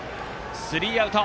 スリーアウト。